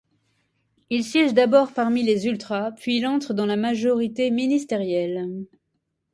Il siège d'abord parmi les ultras, puis il entre dans la majorité ministérielles.